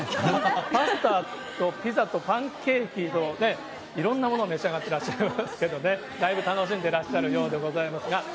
パスタとピザとパンケーキとね、いろんなもの、召し上がってらっしゃいますけどね、だいぶ楽しんでらっしゃるようでございますが。